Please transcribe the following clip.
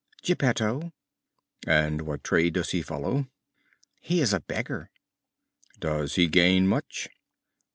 "Geppetto." "And what trade does he follow?" "He is a beggar." "Does he gain much?"